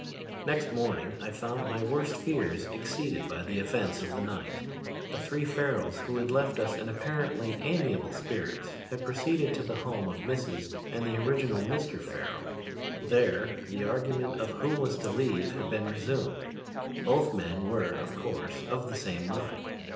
"Next morning I found my worst fears exceeded by the events of the night. The three Farrels who had left us in apparently amiable spirits had proceeded to the home of Mrs. and the original Mr. Farrel. There the argument of who was to leave had been resumed. Both men were, of course, of the same mind.